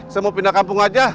saya mau pindah kampung aja